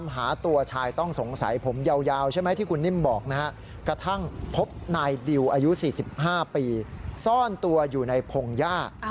ห้าปีซ่อนตัวอยู่ในพงหญ้า